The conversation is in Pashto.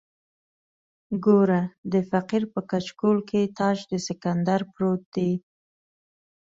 ګوره د فقیر په کچکول کې تاج د سکندر پروت دی.